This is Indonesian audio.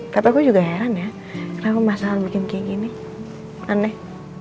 tapi aku juga heran ya kenapa masalah bikin kayak gini aneh